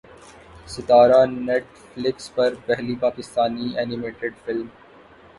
ستارہ Netflix پر پہلی پاکستانی اینیمیٹڈ فلم